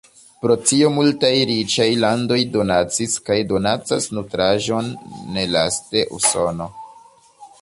Pro tio multaj riĉaj landoj donacis kaj donacas nutraĵon, nelaste Usono.